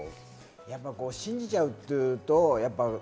やっぱ信じちゃうっていうと。